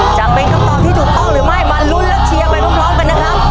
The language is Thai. จากเป็นคำตอบที่ถูกต้องหรือไม่มารุนและเชียมให้พวกเราไปนะครับ